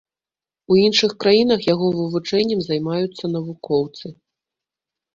І іншых краінах яго вывучэннем займаюцца навукоўцы.